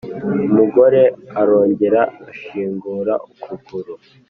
Umugore arongera ashingura ukuguru